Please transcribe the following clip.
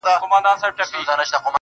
پايزېب به دركړمه د سترگو توره~